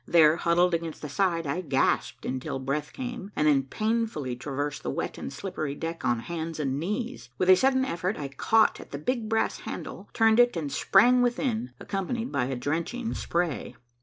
There, huddled against the side, I gasped until breath came, and then painfully traversed the wet and slippery deck on hands and knees. With a sudden effort I caught at the big brass handle, turned it and sprang within, accompanied by a drenching spray.